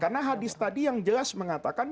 karena hadis tadi yang jelas mengatakan